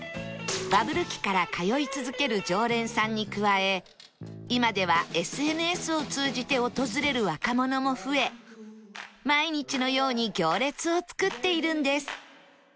バブル期から通い続ける常連さんに加え今では ＳＮＳ を通じて訪れる若者も増え毎日のように行列を作っているんです